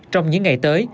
trong những ngày tới